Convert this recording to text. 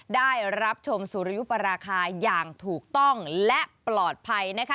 ได้รับชมสุริยุปราคาอย่างถูกต้องและปลอดภัยนะคะ